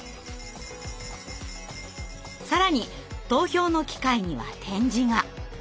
更に投票の機械には点字が。